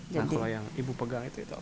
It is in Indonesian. nah kalau yang ibu pegang itu apa